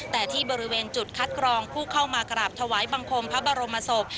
แต่ที่บริเวณจุดคัดกรองผู้เข้ามากราบถวายบังคมพระบรมศพ